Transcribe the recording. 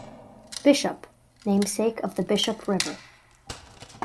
Bishop, namesake of the Bishop River.